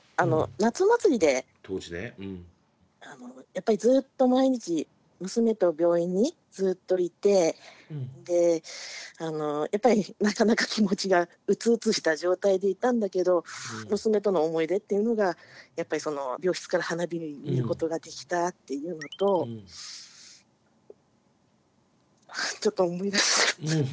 やっぱりずっと毎日娘と病院にずっといてでやっぱりなかなか気持ちが鬱々した状態でいたんだけど娘との思い出っていうのがやっぱりその病室から花火見ることができたっていうのとちょっと思い出しちゃった。